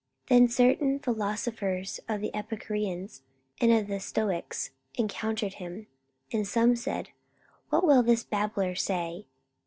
44:017:018 Then certain philosophers of the Epicureans, and of the Stoicks, encountered him. And some said, What will this babbler say?